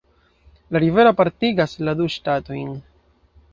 La rivero apartigas la du ŝtatojn.